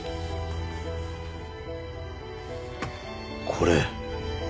これ。